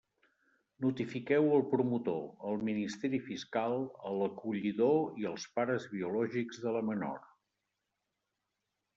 Notifiqueu-ho al promotor, al Ministeri Fiscal, a l'acollidor i als pares biològics de la menor.